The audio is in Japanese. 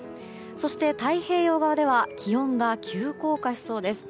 そして太平洋側では気温が急降下しそうです。